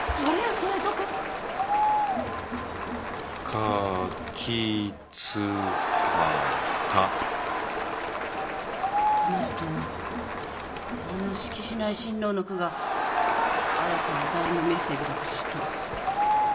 「かきつはた」となるとあの式子内親王の句が亜矢さんのダイイングメッセージだとすると。